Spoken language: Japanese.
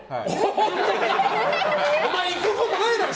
お前、行くことないだろ